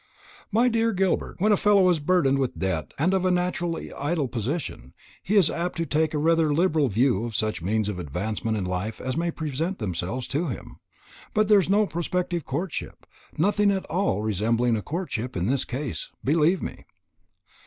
"My dear Gilbert, when a fellow is burdened with debt and of a naturally idle disposition, he is apt to take rather a liberal view of such means of advancement in life as may present themselves to him. But there is no prospective courtship nothing at all resembling a courtship in this case, believe me.